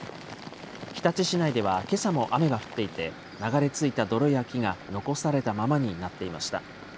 日立市内ではけさも雨が降っていて、流れ着いた泥や木が残されたままになっていました。